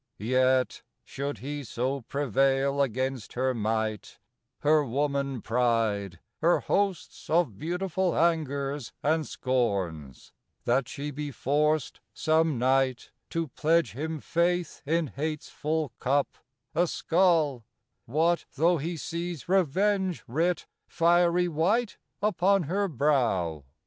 Yet, should he so prevail against her might Her woman Pride, her hosts of beautiful Angers and scorns that she be forced, some night, To pledge him faith in Hate's full cup, a skull What though he sees Revenge writ, fiery white, Upon her brow!